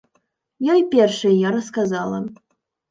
Ёй першай я расказала.